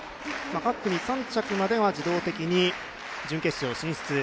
各組３着までは自動的に準決勝進出。